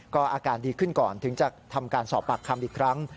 ก็อาการดีขึ้นก่อนถึงจะทำการสอบปากคำอีกครั้ง